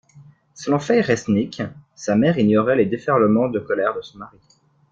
Selon Faye Resnick, sa mère ignorait les déferlements de colère de son mari.